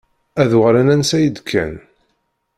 Ad uɣalen ansa i d-kkan.